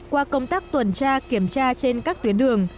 qua công tác tuần tra kiểm tra trên các tuyến đường